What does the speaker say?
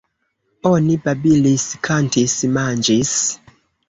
Oni babilis, kantis, manĝis.